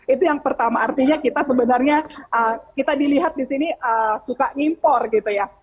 itu yang pertama artinya kita sebenarnya kita dilihat di sini suka ngimpor gitu ya